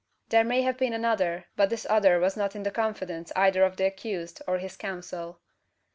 There may have been another; but this other was not in the confidence either of the accused or his counsel.